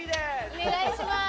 お願いします。